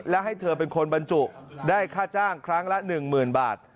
และให้เธอเป็นคนบรรจุได้ค่าจ้างครั้งละ๑๐๐๐บาท